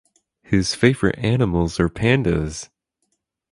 His favorite animals are pandas.